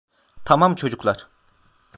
Tamam çocuklar.